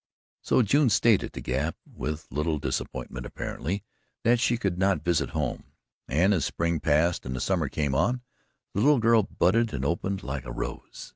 So June stayed on at the Gap with little disappointment, apparently, that she could not visit home. And as spring passed and the summer came on, the little girl budded and opened like a rose.